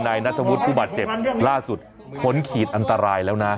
นัทธวุฒิผู้บาดเจ็บล่าสุดพ้นขีดอันตรายแล้วนะ